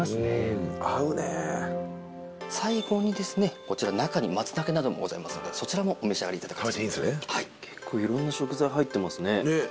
うん合うね最後にですねこちら中に松茸などもございますのでそちらもお召し上がりいただき食べていいんすね結構いろんな食材入ってますねねぇ